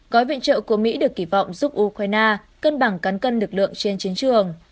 gói viện trợ của mỹ được kỳ vọng giúp ukraine cân bằng cán cân lực lượng trên chiến trường